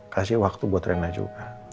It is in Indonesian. kasih waktu buat rena juga